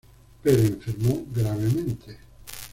Pero enfermó gravemente.